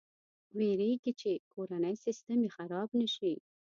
ویرېږي چې کورنی سیسټم یې خراب نه شي.